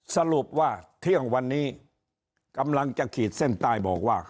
สรุปว่าเที่ยงวันนี้กำลังจะขีดเส้นใต้บอกว่า